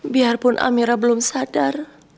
biarpun amira belum sadar